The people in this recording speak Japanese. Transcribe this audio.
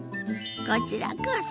こちらこそ！